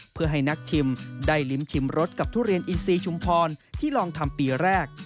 เพื่อให้นักชิมได้ลิ้มชิมรสกับทุเรียนอินซีชุมพรที่ลองทำปีแรก